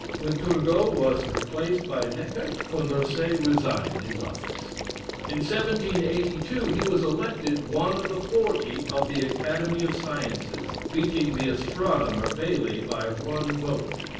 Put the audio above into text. When Turgot was replaced by Necker, Condorcet resigned his office. In 1782 he was elected one of the forty of the Academy of Sciences, beating the Astronomer, Bailly, by one vote.